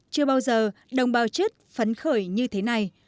chưa bao giờ đồng bào chất phấn khởi như thế này